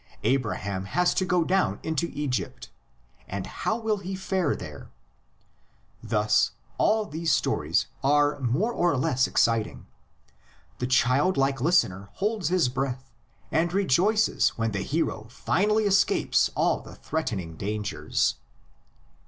Abraham has to go down into Egypt, and how will he fare there? Thus all these stories are more or less exciting. The child like listener holds his breath, and rejoices when the hero finally escapes all the threatening dangers.